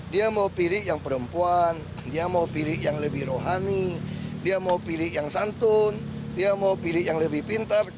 dia mau pilih yang perempuan dia mau pilih yang lebih rohani dia mau pilih yang santun dia mau pilih yang lebih pintar